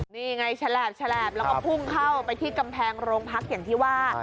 นี่ไงฉลาบแล้วก็พุ่งเข้าไปที่กำแพงโรงพักอย่างที่ว่า